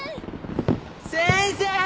先生！